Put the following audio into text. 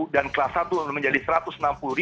dan kelas satu menjadi rp satu ratus enam puluh